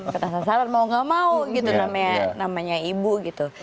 ketat sasaran mau gak mau gitu namanya ibu gitu